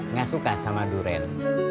nggak suka sama durian